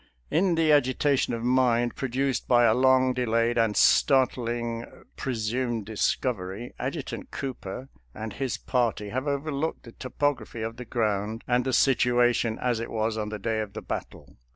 In the agitation of mind produced by a long delayed and startling presumed discovery, Ad jutant Cooper and his party have overlooked the topography of the ground and the situation as it was on the day of the battle.